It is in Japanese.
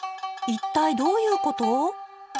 一体どういうこと？